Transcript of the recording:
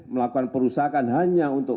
melakukan perusahaan hanya untuk